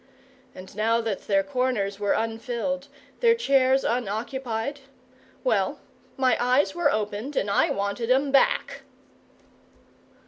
And now that their corners were unfilled, their chairs unoccupied well, my eyes were opened and I wanted 'em back!